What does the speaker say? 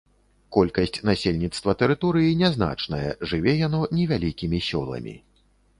Колькасць насельніцтва тэрыторыі нязначная, жыве яно невялікімі сёламі.